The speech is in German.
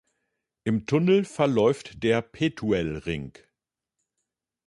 Im Tunnel verläuft der Petuelring.